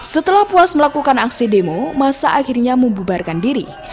setelah puas melakukan aksi demo masa akhirnya membubarkan diri